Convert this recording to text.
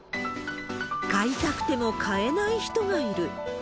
買いたくても買えない人がいる。